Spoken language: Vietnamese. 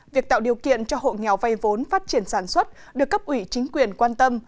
việc tạo điều kiện cho hộ nghèo vay vốn phát triển sản xuất được cấp ủy chính quyền quan tâm